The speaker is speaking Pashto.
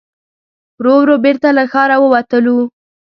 ورو ورو بېرته له ښاره ووتلو.